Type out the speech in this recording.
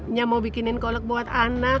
dia mau bikinin kolek buat anak